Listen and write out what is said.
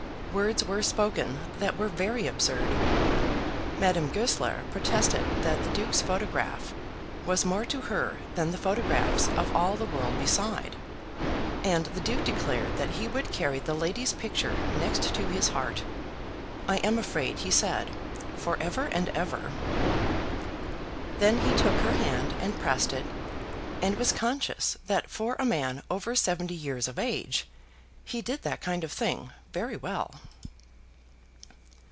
Words were spoken that were very absurd. Madame Goesler protested that the Duke's photograph was more to her than the photographs of all the world beside; and the Duke declared that he would carry the lady's picture next to his heart, I am afraid he said for ever and ever. Then he took her hand and pressed it, and was conscious that for a man over seventy years of age he did that kind of thing very well.